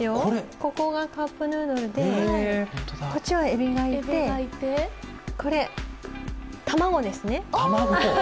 ここがカップヌードルでこっちはえびがいて、これ、卵ですね。